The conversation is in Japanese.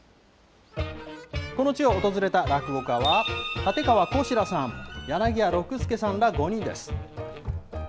この地を訪れた落語家は、立川こしらさん、柳家緑助さんら５人です。